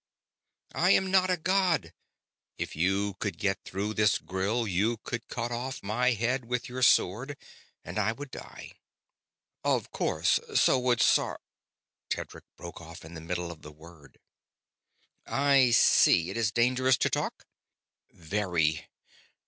"I'm not a god. If you could get through this grill, you could cut off my head with your sword and I would die." "Of course. So would Sar ..." Tedric broke off in the middle of the word. "I see. It is dangerous to talk?" "Very.